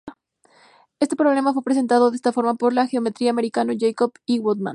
Este problema fue presentado de esta forma por el geómetra americano Jacob E. Goodman.